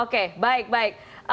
oke baik baik